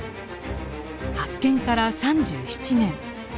発見から３７年。